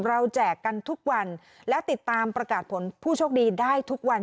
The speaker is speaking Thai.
แจกกันทุกวันและติดตามประกาศผลผู้โชคดีได้ทุกวัน